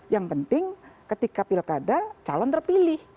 yang penting ketika pilkada calon terpilih